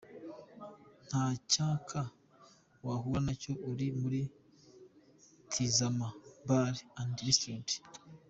Nta cyaka wahura nacyo uri muri Tizama Bar and Restaurant.